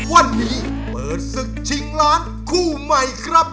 วันนี้เปิดศึกชิงล้านคู่ใหม่ครับ